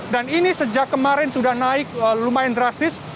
dan ini sejak kemarin sudah naik lumayan drastis